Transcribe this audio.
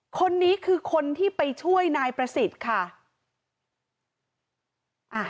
คนนี้คือคนที่ไปช่วยนายประสิทธิ์ค่ะ